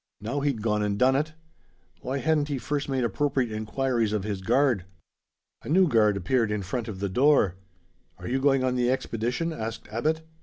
Now he'd gone and done it! Why hadn't he first made appropriate inquiries of his guard? A new guard appeared in front of the door. "Are you going on the expedition?" asked Abbot.